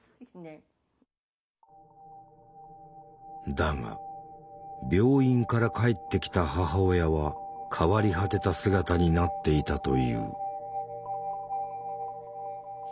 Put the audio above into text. だが病院から帰ってきた母親は変わり果てた姿になっていたという。